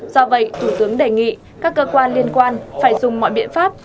do vậy thủ tướng đề nghị các cơ quan liên quan phải dùng mọi biện pháp